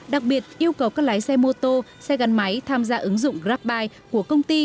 đặc biệt yêu cầu các lái xe mô tô xe gắn máy tham gia ứng dụng grabbuide của công ty